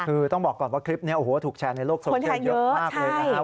คือต้องบอกก่อนว่าคลิปนี้ถูกแชร์ในโลกโซเชียลเยอะมากเลย